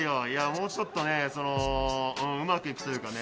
もうちょっとねうまくいくというかね。